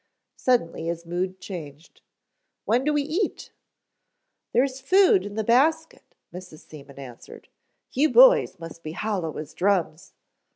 Suddenly his mood changed. "When do we eat?" "There is food in the basket," Mrs. Seaman answered, "You boys must be hollow as drums."